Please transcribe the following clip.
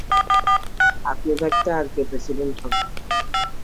আপনি থাকতে আর কে প্রেসিডেন্ট হবে?